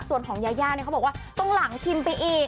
ส่วนของยาย่าเนี่ยเขาบอกว่าต้องหลังพิมพ์ไปอีก